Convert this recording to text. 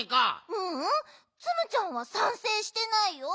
ううんツムちゃんはさんせいしてないよ。